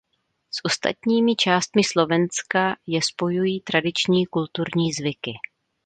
S ostatními částmi Slovenska je spojují tradiční kulturní zvyky.